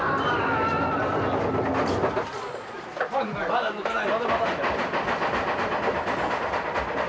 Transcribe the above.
まだ抜かない。